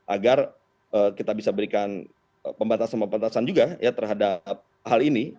agar kita bisa berikan pembatasan pembatasan juga ya terhadap hal ini